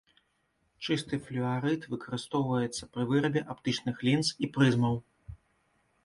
Чысты флюарыт выкарыстоўваецца пры вырабе аптычных лінз і прызмаў.